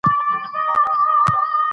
خورما ونې د خواړو په برابرولو کې مرسته کوي.